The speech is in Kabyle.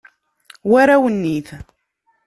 War awennit.